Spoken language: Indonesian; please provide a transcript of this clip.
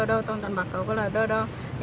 atau hutan bakau itu ada